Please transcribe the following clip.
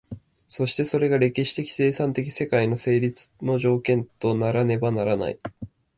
そしてそれが歴史的生産的世界の成立の条件とならねばならない。